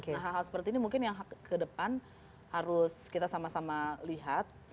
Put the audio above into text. nah hal hal seperti ini mungkin yang ke depan harus kita sama sama lihat